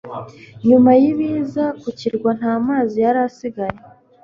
nyuma y'ibiza, ku kirwa nta mazi yari asigaye